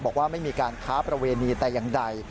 บอกว่าไม่มีการค้าประเวณีแต่อย่างใด